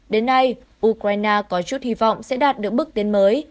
đến nay ukraine có chút hy vọng sẽ đạt được bước tiến mới